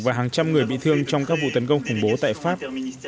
và hàng trăm người bị thương trong các vụ tấn công khủng bố tại pháp